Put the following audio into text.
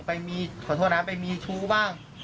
ไปมีชู้บ้าง